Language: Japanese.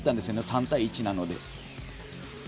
３対１なので。